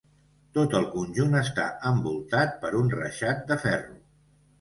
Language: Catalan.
Tot el conjunt està envoltat per un reixat de ferro.